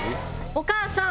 お母さん！